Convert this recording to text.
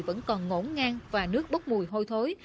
vẫn còn ngỗ ngang và nước bốc mùi hôi thối